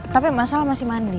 tapi masalah masih mandi